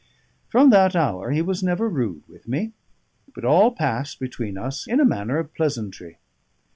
From that hour he was never rude with me, but all passed between us in a manner of pleasantry.